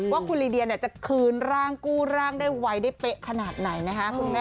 ว่าคุณลีเดียจะคืนร่างกู้ร่างได้ไวได้เป๊ะขนาดไหนนะคะคุณแม่